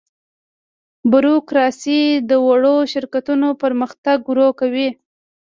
بوروکراسي د وړو شرکتونو پرمختګ ورو کوي.